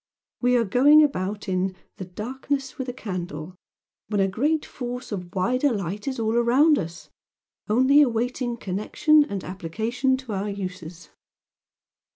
We are going about in the darkness with a candle when a great force of wider light is all round us, only awaiting connection and application to our uses."